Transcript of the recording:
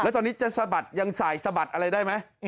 แล้วตอนนี้จะสะบัดยังสายสะบัดอะไรได้ไหม